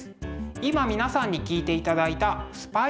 今皆さんに聴いていただいた「スパイゴッデス」。